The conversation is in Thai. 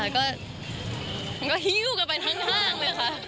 มันก็ฮิ้วกันไปทั้งห้างเลยค่ะ